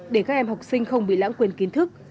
để các em học sinh không bị lãng quên kiến thức